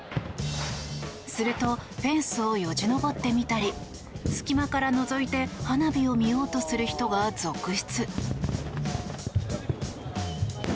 するとフェンスをよじ登ってみたり隙間からのぞいて花火を見ようとする人が続出。